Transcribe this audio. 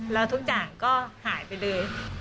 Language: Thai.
แล้วทุกอย่างก็หายไปเลย